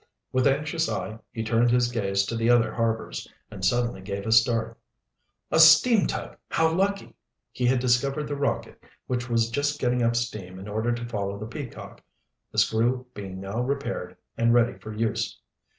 With anxious eye he turned his gaze to the other harbors, and suddenly gave a start. "A steam tug! How lucky!" He had discovered the Rocket, which was just getting up steam in order to follow the Peacock; the screw being now repaired and ready for use.